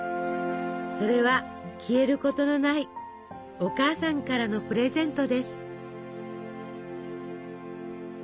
それは消えることのないお母さんからのプレゼントです。